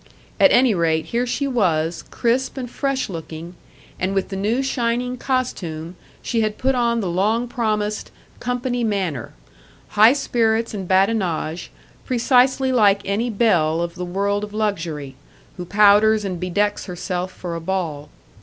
At any rate, here she was, crisp and fresh looking; and with the new shining costume, she had put on the long promised "company manner": high spirits and badinage, precisely like any belle of the world of luxury, who powders and bedecks herself for a ball.